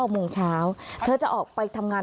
โมงเช้าเธอจะออกไปทำงาน